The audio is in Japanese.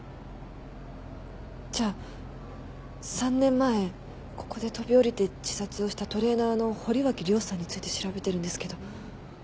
じゃあ３年前ここで飛び降りて自殺をしたトレーナーの堀脇涼さんについて調べてるんですけど。